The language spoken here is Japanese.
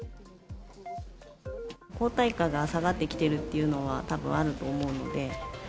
抗体価が下がってきてるっていうのはたぶんあると思うので。